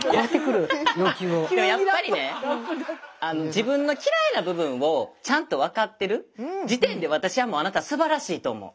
自分の嫌いな部分をちゃんと分かってる時点で私はもうあなたすばらしいと思う。